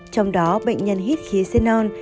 trong đó bệnh nhân hít khí xenon